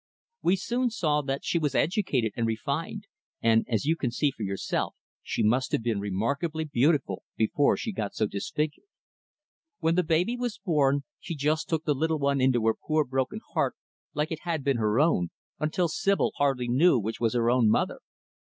"We soon saw that she was educated and refined, and as you can see for yourself she must have been remarkably beautiful before she got so disfigured. When the baby was born, she just took the little one into her poor, broken heart like it had been her own, until Sibyl hardly knew which was her own mother.